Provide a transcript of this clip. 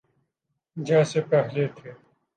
جیسے پہلے تھے۔